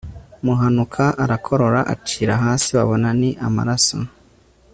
muhanuka arakorora acira hasi babona ni amaraso gusa